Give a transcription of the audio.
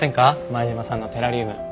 前島さんのテラリウム。